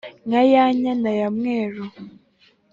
nka ya nyana ya mwкeru